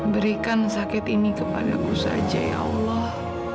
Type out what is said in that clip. berikan sakit ini kepadaku saja ya allah